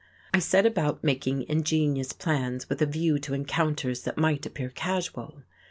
I set about making ingenious plans with a view to encounters that might appear casual.